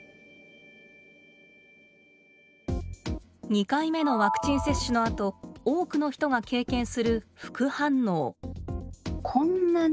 ２回目のワクチン接種のあと多くの人が経験する副反応。